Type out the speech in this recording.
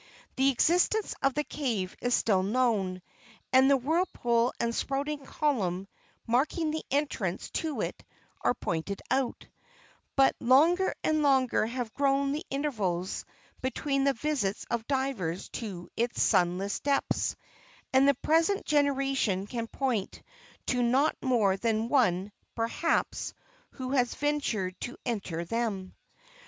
The existence of the cave is still known, and the whirlpool and spouting column marking the entrance to it are pointed out; but longer and longer have grown the intervals between the visits of divers to its sunless depths, until the present generation can point to not more than one, perhaps, who has ventured to enter them.